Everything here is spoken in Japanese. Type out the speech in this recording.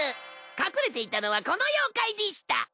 隠れていたのはこの妖怪でした。